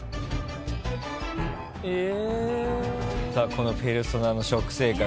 このペルソナの食生活